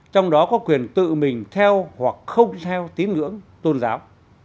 trong đó có quyền tự mình theo hoặc không theo tín ngưỡng tôn giáo